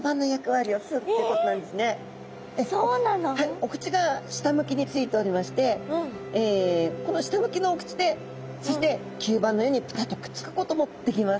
お口が下向きについておりましてこの下向きのお口でそして吸盤のようにぴたっとくっつくこともできます。